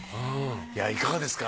いかがですか？